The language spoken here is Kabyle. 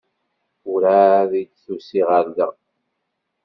Werɛad i d-tusi ɣer da.